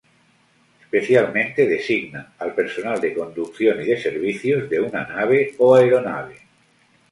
Especialmente designa al personal de conducción y de servicios de una nave o aeronave.